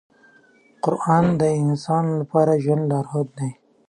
قرآن د انسان لپاره د ژوند لارښود دی.